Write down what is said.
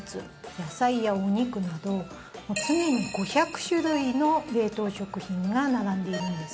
野菜やお肉など常に５００種類の冷凍食品が並んでいるんです。